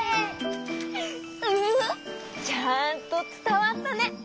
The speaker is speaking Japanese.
ウフフ！ちゃんとつたわったね！